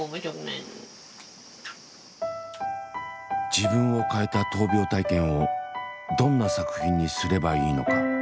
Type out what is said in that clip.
自分を変えた闘病体験をどんな作品にすればいいのか。